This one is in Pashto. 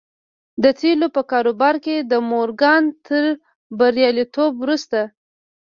د تيلو په کاروبار کې د مورګان تر برياليتوب وروسته.